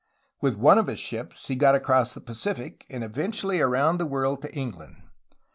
With one of his ships, he got across the Pacific, and eventually around the world to England.